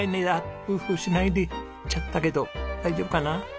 フーフーしないでいっちゃったけど大丈夫かな？